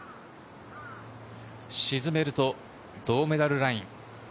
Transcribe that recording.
沈めると銅メダルライン。